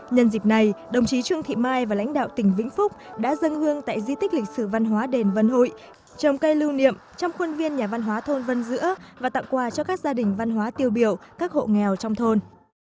nhân dịp này đồng chí trương thị mai và lãnh đạo tỉnh vĩnh phúc đã dân hương tại di tích lịch sử văn hóa đền vân hội trồng cây lưu niệm trong khuôn viên nhà văn hóa thôn vân dữa và tặng quà cho các gia đình văn hóa tiêu biểu các hộ nghèo trong thôn